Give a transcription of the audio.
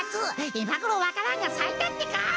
いまごろわか蘭がさいたってか！